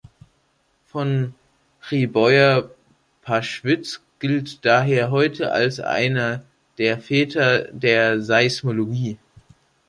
Von Rebeur-Paschwitz gilt daher heute als einer der Väter der Seismologie.